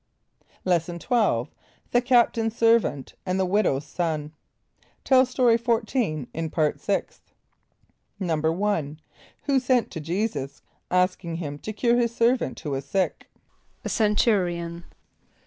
= Lesson XII. The Captain's Servant and the Widow's Son. (Tell Story 14 in Part Sixth.) =1.= Who sent to J[=e]´[s+]us, asking him to cure his servant who was sick? =A Centurion.